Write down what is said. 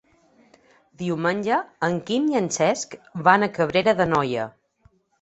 Diumenge en Quim i en Cesc van a Cabrera d'Anoia.